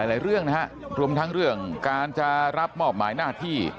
หลายเรื่องนะฮะรวมทั้งเรื่องการจะรับมอบหมายหน้าที่